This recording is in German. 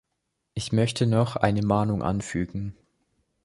Ich möchte noch eine Mahnung anfügen.